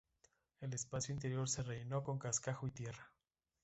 El espacio interior se rellenó con cascajo y tierra.